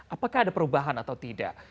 apakah ada perubahan atau tidak